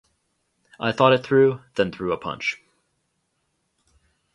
I thought it through, then threw a punch.